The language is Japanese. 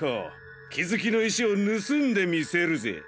きづきのいしをぬすんでみせるぜ！